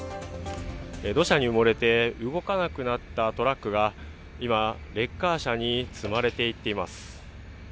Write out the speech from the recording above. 土砂に埋もれて動かなくなったトラックが、今、レッカー車に積まれていっています。